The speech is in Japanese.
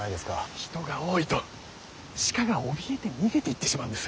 人が多いと鹿がおびえて逃げていってしまうんです。